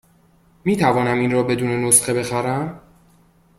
می توانم این را بدون نسخه بخرم؟